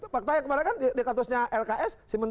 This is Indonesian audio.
fakta yang kemarin kan di kartusnya lks